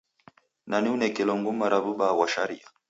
Nani unekelo nguma ra w'ubaa ghwa sharia?